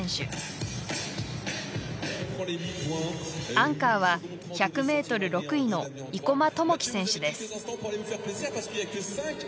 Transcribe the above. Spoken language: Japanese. アンカーは１００ｍ６位の生馬知季選手です。